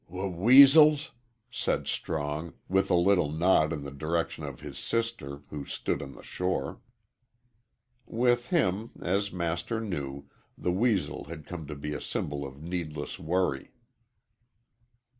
"W weasels," said Strong, with a little nod in the direction of his sister, who stood on the shore. With him, as Master knew, the weasel had come to be a symbol of needless worry.